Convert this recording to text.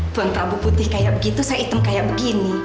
tuan tabu putih kayak begitu saya hitam kayak begini